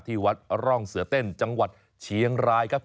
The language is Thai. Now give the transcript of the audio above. ที่วัดร่องเสือเต้นจังหวัดเชียงรายครับ